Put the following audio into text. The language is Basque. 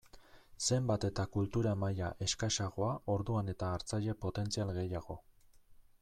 Zenbat eta kultura maila eskasagoa orduan eta hartzaile potentzial gehiago.